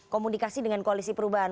komunikasi dengan koalisi perubahan